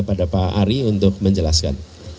kepada pak ari untuk menjelaskan